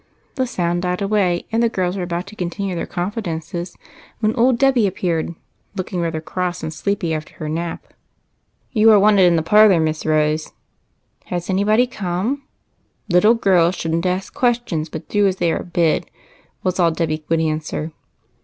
The sound died away, and the girls were about to continue their confidences when old Debby appeared, looking rather cross and sleepy after her nap. " You are wanted in the parlor, Miss Rose." " Has anybody come ?"" Little girls should n't ask questions, but do as they are bid," was all Debby would answer.